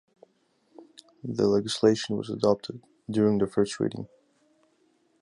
The legislation was adopted during the first reading.